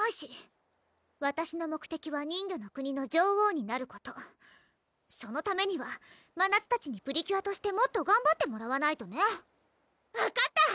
わたしの目的は人魚の国の女王になることそのためにはまなつたちにプリキュアとしてもっとがんばってもらわないとね分かった！